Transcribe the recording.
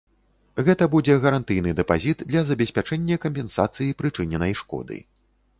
Гэта будзе гарантыйны дэпазіт для забеспячэння кампенсацыі прычыненай шкоды.